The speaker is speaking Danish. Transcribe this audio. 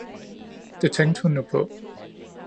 Det tænkte hun nu på